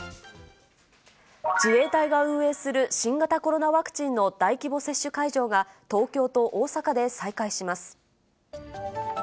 自衛隊が運営する新型コロナワクチンの大規模接種会場が、東京と大阪で再開します。